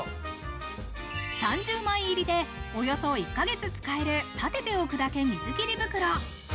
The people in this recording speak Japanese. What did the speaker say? ３０枚入りで、およそ１ヶ月使える、立てて置くだけ水切り袋。